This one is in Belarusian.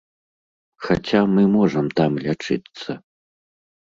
Хаця мы можам там лячыцца.